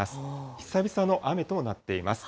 久々の雨となっています。